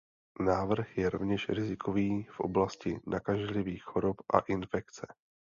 Návrh je rovněž rizikový v oblasti nakažlivých chorob a infekce.